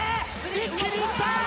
一気にいった！